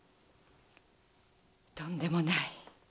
とんでもない。